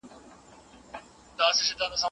د دغي پلمې په حقیقت پوهېږئ؟